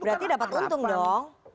berarti dapat untung dong